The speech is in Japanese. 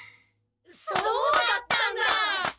そうだったんだ！